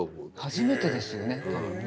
初めてですよね多分ね。